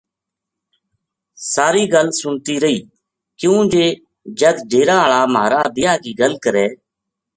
ساری گل سُنتی رہی کیوں جے جَد ڈیرا ہالا مھارا بیاہ کی گَل کرے